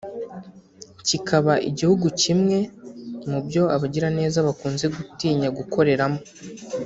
kikaba igihugu kimwe mu byo abagiraneza bakunze gutinya gukoreramo